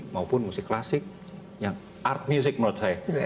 maupun musik klasik yang art music menurut saya